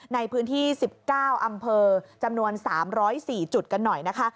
ในพื้นที่๑๙อำเภอจำนวน๓๐๔จุดกันหน่อยนะคะ